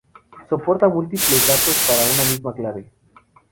Soporta múltiples datos para una misma clave.